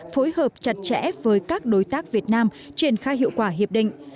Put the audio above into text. phối hợp chặt chẽ với các đối tác việt nam triển khai hiệu quả hiệp định